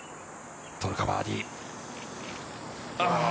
取るかバーディー？